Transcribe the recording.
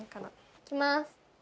行きます。